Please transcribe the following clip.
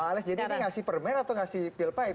pak alex jadi ini ngasih permen atau ngasih pil pait